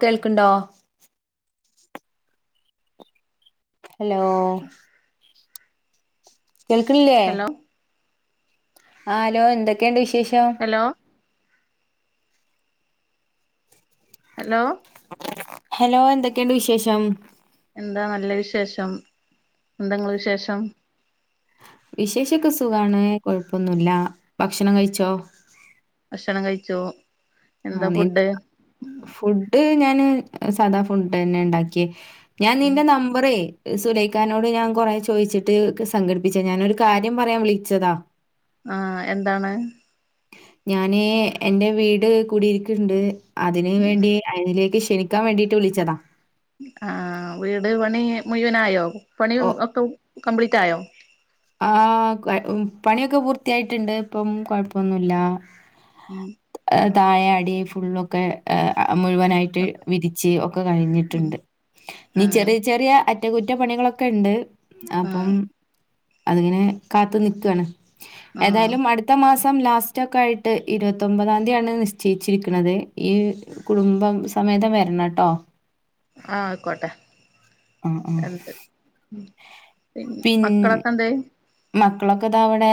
കേൾക്കണ്ടോ ഹലോ കേൾക്കണില്ലേ ഹലോ ആ ഹലോ എന്തൊക്കെയുണ്ട് വിശേഷം. ഹലോ ഹലോ ഹലോ എന്തൊക്കെയുണ്ട് വിശേഷം, എന്താ നല്ല വിശേഷം, എന്താ നിങ്ങളെ വിശേഷം വിശേഷക്കെ സുഖാണ് കൊഴപ്പൊന്നുല്ല ഭക്ഷണം കഴിച്ചോ ഭക്ഷണം കഴിച്ചോ എന്താ ആന്നെ ഫുഡ് ഫുഡ് ഞാന് സാദാ ഫുഡ് തന്നെ ഉണ്ടാക്കിയേ ഞാൻ ഉം ചോദിച്ചിട്ട്, സംഘടിപ്പിച്ചാ ഞാനൊരു കാര്യം പറയാൻ വിളിച്ചതാ. ആ എന്താണ് ഞാന് എന്റെ വീട് കൂടിയിരിക്കുണ്ട് അതിന് ഉം വേണ്ടി അയിലേക്ക് ക്ഷണിക്കാൻ വേണ്ടിയിട്ട് വിളിച്ചതാ ആഹ വീട് പണി മുഴുവനായോ പണി ഓ ഒക്കെ കംപ്ലീറ്റ് ആയോ ആ കൊ പണിയൊക്കെ പൂർത്തിയായിട്ടുണ്ട് ഇപ്പം കൊഴപ്പൊന്നുല്ല. മം താഴെ അടി ഫുള്ളൊക്കെ മുഴുവനായിട്ട് വിരിച്ച് ഒക്കെ ഉം കഴിഞ്ഞിട്ടുണ്ട്, ഇനി ആഹ് ചെറിയ ചെറിയ അറ്റകുറ്റപ്പണികളൊക്കെ ഉണ്ട്, അപ്പം ആഹ് അതിന് കാത്ത്നികാണ്. ആഹ് ആഹ് ഏതായാലും അടുത്ത മാസം ലാസ്റ്റ് ഒക്കെ ആയിട്ട്, ഇരുപത്തിയോമ്പതാം തീയതിയാണ് നിശ്ചയിച്ചിരിക്ക്ണത്. യ് കുടുംബം സമേതം വരണം കേട്ടോ, ആഹ ആയിക്കോട്ടെ ആ ആ എന്ത് പി പിൻ മക്കളൊക്കെ എന്തെ മക്കളൊക്കെ ദാ വടെ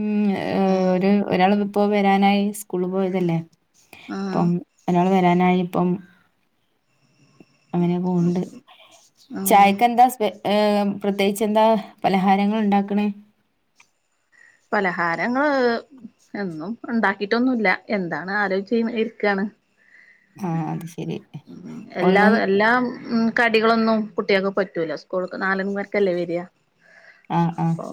ഉം ആഹ് ഒരു ഒരാൾ ഇപ്പൊ വരാനായി സ്കൂള് പോയതല്ലേ ആഹ് ഇപ്പം ഒരാള് വരാനായി ഇപ്പം അങ്ങനെ പോണ്ട് ആഹ് ചായക്കെന്താ സ്പെ ഏഹ് പ്രത്യേകിച്ച് എന്താ പലഹാരങ്ങൾ ഉണ്ടാക്കണേ പലഹാരങ്ങള് എന്നും ഉണ്ടാക്കിട്ടൊന്നുമല്ല എന്താണ് ആലോച ഇരിക്കാണ് ആഹ് അത് ശരി എല്ലാ ഒന്നും എല്ലാം ഉം കടികളൊന്നും കുട്ടികൾക്ക് പറ്റൂല്ല സ്കൂൾക്ക് നാല മണിക്കല്ലേ വരിക ആഹാ ആഹാ അപ്പൊ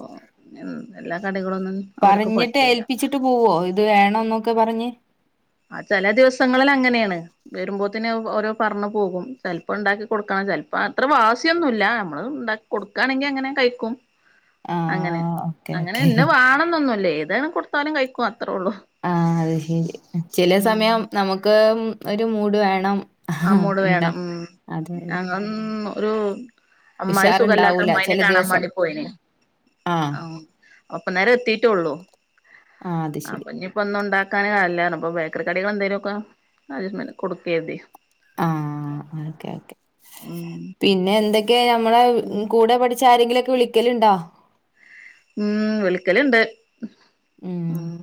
എല്ലാ കടികളൊന്നും അവർക്ക് പറഞ്ഞിട്ട് പറ്റൂല ഏൽപ്പിച്ചിട്ട് പോവോ ഇത് വേണന്നൊക്കെ പറഞ്ഞ് ആഹ് ചെല ദിവസങ്ങളിൽ അങ്ങനെയാണ് വരുമ്പോത് ന് ഓരോ പറഞ്ഞു പോകും ചിലപ്പോ ഉണ്ടാക്കി കൊടുക്കണം ചെലപ്പോ അത്ര വാസിയൊന്നുല്ല നമ്മള് ഉണ്ടാക്ക കൊടുക്കാണെങ്കിൽ അങ്ങനെ കഴിക്കും അങ്ങനെ ആഹ് ഓക്കെ അങ്ങനെ ഓക്കെ ന്നന്നെ വേണന്നൊന്നുല്ലേ ഏതാണ് കൊടുത്താലും കഴിക്കോ അത്രേള്ളൂ ആഹ് അത് ശരി ചില ഉം സമയം നമുക്ക് ഉം ഒരു മൂട് വേണം അമ്മോട് ഉണ്ടാ വേണം ഉം അതെ അതെ അങ്ങ ഒരു അമ്മായി സുഖല്ലാത്ത ഉഷാറുണ്ടാവൂല അമ്മായിനെ ചില കാണാൻ ദിവസം വേണ്ടി പോയിനെ ആഹ് അപ്പ നേരം എത്തിട്ടൊള്ളൂ ആഹ് അത് ശരി അപ്പൊ ഇഞ്പ്പം ഒന്ന ഉണ്ടാക്ക ക്കാൻ നല്ലേനീ പ്പ ബേക്കറി കടികൾ എന്തെിലു ഒക്കെ ആദ്യം തന്നെ കൊടുക്കരുതെ ആഹ് ഓക്കെ ഓക്കെ പിന്നെ എന്തൊക്കെയ നമ്മള കൂടെ പഠി ച്ച് ആരെങ്കിലൊക്കെ വിളിക്കലുണ്ടോ ഉം വിളിക്കല്ണ്ട് ഉം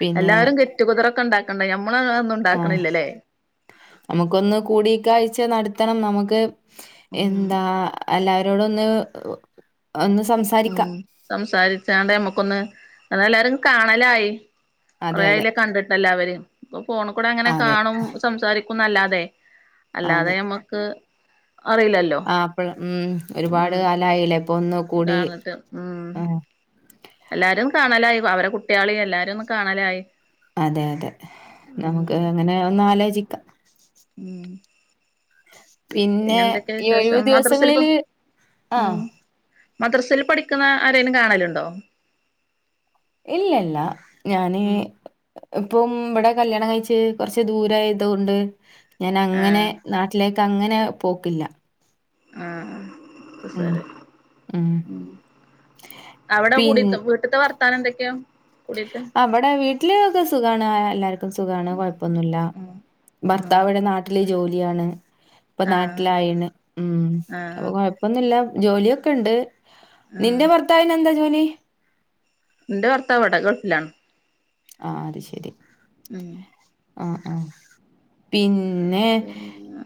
പിന്നെ എല്ലാരും ഗെറ്റ്ടുഗദർ ഒക്കെ ഉണ്ടാക് ആഹ് നമുക്കൊന്ന് കൂടിക്കാഴ്ച നടത്തണം നമുക്ക് ഉം എന്താ എല്ലാവരോട് ഒന്ന് ഒന്ന് സംസാരിക്കാം ഉം സംസാരിച്ചാണ്ട് നമ്മക്കൊന്ന് എന്നല്ലാരും കാണലായി അതെ കൊറേ അതെ അയീലേ കണ്ടിട്ട എല്ലാവരും ഇപ്പൊ ഫോണിൽ കൂടെ അങ്ങനെ അതെ കാണും സംസാരിക്കുംന്നല്ലാതെ അല്ലാതെ ഞമ്മക്ക് ആപ്പിൾ ഉം ഒരുപാട് ഉം കാലായില്ല ഇപ്പൊ ഒന്ന് കൂടി കാണിട്ട് ഉം ആഹ് എല്ലാരും കാണലായി അവരെ കുട്ടികളി എല്ലാരും ഒന്നും കാണലായി അതെ അതെ ഉം നമുക്ക് അങ്ങനെ ഒന്ന് ആലോചിക്കാം ഉം പിന്നെ എന്തൊക്കെയാ ഈ ഒഴിവ് വിശേഷം മദ്രസൽപ്പം ദിവസങ്ങളില് ഉം ആഹ് മദ്രസയിൽ പഠിക്കുന്ന ആരേലും കാണലുണ്ടോ ഇല്ലല്ല ഞാന് ഇപ്പം ഇവിടെ കല്യാണം കഴിച്ച് കൊറച്ച് ദൂരായതുകൊണ്ട് ഞാൻ അങ്ങനെ ആഹ് നാട്ടിലേക് അങ്ങനെ പോക്കില്ല ആഹ് ഉം. ഉം. അവിടെ പിൻ കുടീത്തെ വീട്ട്ത്തെ വർ ർത്താനം എന്തൊക്കെയാ കുടിയത്തെ ഇവിടെ വീട്ടില് ഒക്കെ സുഖാണ് എല്ലാർക്കും സുഖാണ് കൊഴപ്പൊന്നുല്ല ആഹ് ആഹ് ഭർത്താവടെ നാട്ടിലേ ജോലിയാണ് ഇപ്പൊ ആഹ് നാട്ടിലായണ് ഉം അപ്പൊ ആഹ് കൊഴപ്പൊന്നുല്ല ജോലിയൊക്കെ ഉണ്ട് ആഹ് നിന്റെ ഭർത്താവിന എന്താ ജോലി ന്റെ ഭാർത്താവ് അവിടെ ഗൾഫ് ലാണ് ആഹ് അത്ശരി ഉം ആഹ് ആഹ് പിന്നെ പിന്നെ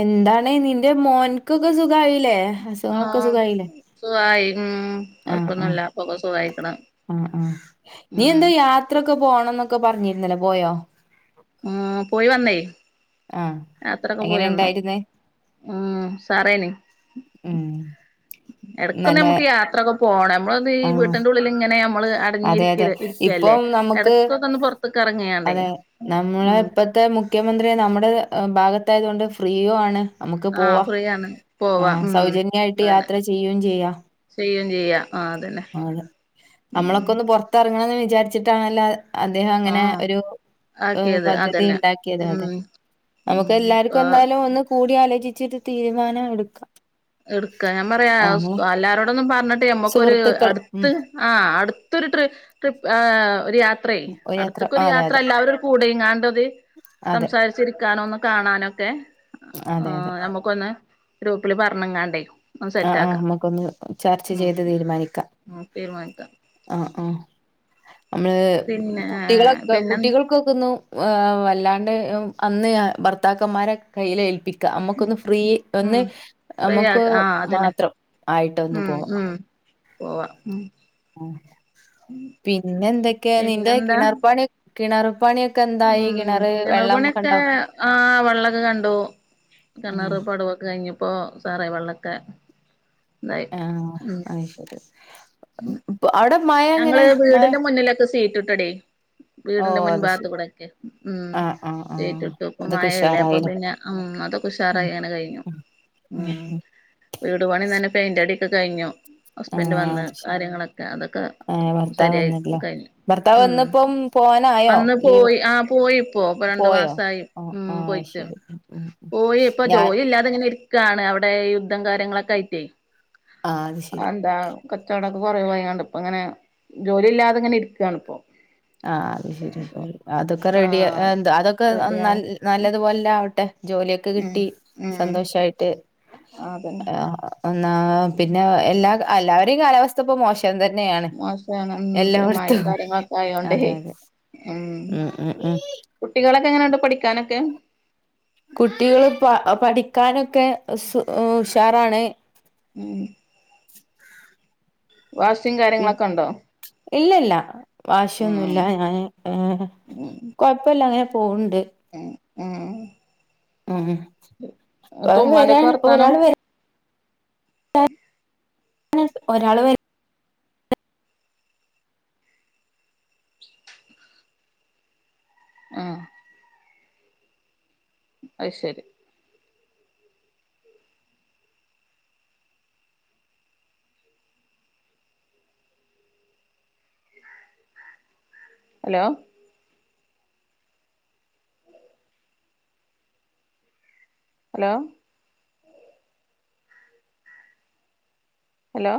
എന്താണ് നിന്റെ മോൻക്കൊക്കെ സുഖായിലെ അസുഖങ്ങളൊക്കെ സുഖായിലെ സുഖമായി ഉം കൊഴപ്പൊന്നുംല്ല പ്പൊക്കെ സുഖായിക്ക്ണ് ആഹ് ആഹ് നീ എന്ത യാത്രൊക്കെ പോണംന്നൊക്കെ പറഞ്ഞിരുന്നല്ലോ പോയോ ആഹ് പോയി വന്നേ ആഹ് യാത്രയൊക്കെ എങ്ങനെ പോയിവന്നു. ഉണ്ടായിരുന്നേ ഉം സാറേനി ഉം എടക്ക് നല്ല നമുക്ക് യാത്രയൊക്കെ പോണം, നമ്മൾ ഈ ആഹ് വീട്ടിന്റെ ഉള്ളില്ങ്ങനെ. നമ്മള് അതെ അടഞ്ഞിരിക്ക അതെ ഇരിക്യല്ലേ ഇപ്പം എ നമുക്ക് ടക്കകൊന്ന് പുറത്ത്ക്ക് എ റങ്ങിങ്ങണ്ട് ഉം ഇപ്പഴത്തെ, മുഖ്യമന്ത്രി നമ്മുടെ ഭാഗത്തായത് കൊണ്ട് ഫ്രീയോ ആണ് നമുക്ക് ആഹ് പോവാം. ഫ്രീയാണ് ആ പോവാ ഉം സൗജന്യായിട്ട് അതന്നെ യാത്ര ചെയ്യും ചെയ്യാം. ചെയ്യും ചെയ്യാ ആഹ് അതന്നെ അ ഉം നമ്മളൊക്കെ ഒന്ന്, പുറത്തിറങ്ങണാന്ന് വിചാരിച്ചിട്ടാണല്ലോ. അദ്ദേഹം, അങ്ങനെ ആഹ് ഒരു ആക്കിയത് പദ്ധതി അതന്നെ ഉണ്ടാക്കിയത് അതെ. ഉം ഉം നമുക്ക് എല്ലാർക്കും ആഹ് എന്തായാലും ഒന്ന് കൂടി ആലോചിച്ചിട്ട് തീരുമാനം എടുക്കാം. എടുക്കാം. ഞാൻ പറയാ ആഹ് എല്ലാരോടൊന്നും പറഞ്ഞിട്ട് നമുക്കൊരു സുഹൃത്തുക്കൾ ഉം അടുത്ത് ആ അടുത്തൊരു ട്രി ആ ട്രിപ്പ്, ത്രയെ യാത്ര അടുത്തൊക്കെ ഒരു അതെ യാത്ര അതെ എല്ലാവരും കൂടെ ഇങ്ങാണ്ടത് അതെ സംസാരിച്ചിരിക്കാണോന്ന് കാണാനൊക്കെ, അതെ അതെ നമുക്കൊന്ന് ഗ്രൂപ്പിൽ പറഞ്ഞങ്ങാണ്ട് ന ആ സെറ്റ് ആ ആക്കാം നമുക്കൊന്ന് ചർച്ച ചെയ്ത് തീരുമാനിക്കാം ഉം തീരുമാനിക്കാം. ആ ആ നമ്മള്, പിന്നെ കുട്ടികളൊക്കെ പിന്നെ കുട്ടികൾക്കൊക്കെ ഒന്ന് വല്ലാണ്ട് [unintelligible] അന്ന് ഭർത്താക്കന്മാരെ കയ്യിൽ ഏൽപ്പി ക്ക നമുക്കൊന്ന് ഫ്രീ ഉം ഒന്ന് ഫ്രീ നമുക്ക് ആക്ക ആ അതന്നെ മാത്രം ആയിട്ടൊന്ന് പോവാം. പോവാം ഉം ഉം പിന്നെ എന്തൊക്കെയാ നിന്റെ പിന്നെന്താ കിണർപ്പാണി കിണർപ്പാണിയൊക്കെ ഉം കിണർപണിയൊക്കെ ആ വെള്ളക്കെ കണ്ടൂ. ഉം കണറ് പടവൊക്കെ കഴിഞ്ഞപ്പോ സാറേ വെള്ളക്കെ ആ അത് ശരി ഉം അവിടെ മഴ ഞങ്ങള് എങ്ങനെ മഴ വീടിന്റെ മുന്നിലൊക്കെ സീറ്റ് ഇട്ടോടി ഓ വീടിന്റെ മുൻ അത് ഭാഗത്ത് ശരി കൂടൊക്കെ ഉം ആഹ് ആഹ് ആഹ് ഷിറ്റ്ട്ടു, അതൊക്കെ ഇപ്പൊമഴയല്ലേ ഉഷാറായില്ലേ അപ്പപ്പിന്നെ ഉം അതൊഉഷാർ ഉം അങ്ങനെ കഴിഞ്ഞു ഉം ഉം വീട്പണ്ണിതന്നെ പെയിന്റ് അടിയൊക്കെ കഴിഞ്ഞു ആ ഹസ്ബൻഡ് വന്ന് അത് ശരി കാര്യങ്ങളൊക്കെ അതൊക്കെ ഏഹ് ഭർത്താവ് ശരിയായി വന്നിട്ടില്ല കഴിഞ്ഞു ഭർത്താവ് ഉം വന്നിപ്പം പോവാനായോ വന്ന് ലീവ് പോയി ആ പോയിപ്പോ അപ്പൊ രണ്ടു പോയോ മാസമായി ആഹ് ഉം ആഹ് പോയി. ശരി ഉം ഉം പോയി ഇപ്പോ ഞാൻ ജോലിയില്ലാതിങ്ങനരികായണ്, അവടെ യുദ്ധം കാരണം. കാര്യങ്ങളൊക്കെയറ്റ് ആഹ് അത് ശരി എന്താ കച്ചവടം കുറെ വായിങ്ങണ്ട് ഇപ്പോ അങ്ങനെ ജോലി ഇല്ലാതെ ഇങ്ങനെ ഇരികാണ് ഇപ്പോ ആ അത് ശരി അപ്പൊ ശരി അതൊക്കെ റെഡി ആഹ് എന്ത അതൊക്കെ റെഡിയാണ് നല്ല നല്ലതുപോലെ ആവട്ടെ. ജോലിയൊക്കെ ഉം കിട്ടി, ഉം സന്തോഷായിട്ട് അതന്നെ ആ ഒന്നാ പിന്നെ എല്ലാ എല്ലാവരുടെയും കാലാവസ്ഥ ഇപ്പോ മോശം ത്യം തന്നെയാണ് മോശാണ് ഉം മഴയും എല്ലായിടത്തും. കാര്യങ്ങളൊക്കെ ആയോണ്ടേ അതെ അതെ ഉം ഉം ഉം ഉം കുട്ടികളൊക്കെ എങ്ങനൊണ്ട് പഠിക്കാനൊക്കെ? കുട്ടികള് പ പഠിക്കാനോക്കെ സു ഉഷാറാണ്. ഉം വാശിം കാര്യങ്ങളൊക്കെ ഉണ്ടോ? ഇല്ലല്ല, വാശിയൊന്നുല്ല ഉം ഞാൻ ഉം കൊഴപ്പില്ല അങ്ങനെ പോണ്ണ്ണ്ട് ഉം ഉം ഉം അപ്പോ എന്നിട്ട് ഉമ്മാന്റെക്കെ വരാൻ ഇ വർത്താനം ഒരാൾ വരും [unintelligible] ഒരാള് വരും ഉം അത് ശരി ഹലോ ഹലോ ഹലോ